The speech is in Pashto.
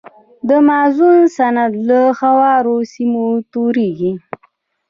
د مازون سیند له هوارو سیمو تویږي.